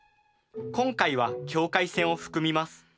今回は境界線を含みます。